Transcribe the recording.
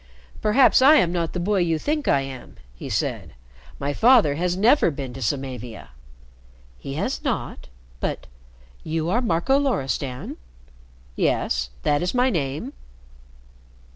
"Perhaps I am not the boy you think I am," he said. "My father has never been to Samavia." "He has not? But you are Marco Loristan?" "Yes. That is my name."